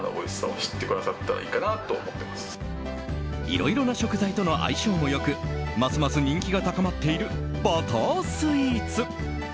いろいろな食材との相性も良くますます人気が高まっているバタースイーツ。